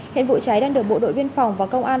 hiện vụ cháy đang được bộ đội biên phòng và công an